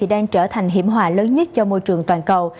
đang trở thành hiểm hòa lớn nhất cho môi trường toàn cầu